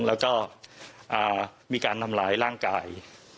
แล้วก็มีการทำร้ายร่างกาย